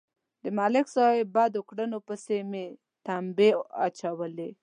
د ملک صاحب بدو کړنو پسې مې تمبې اچولې.